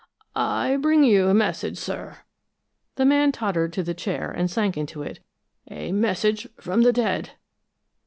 "I bring you a message, sir." The man tottered to the chair and sank into it. "A message from the dead."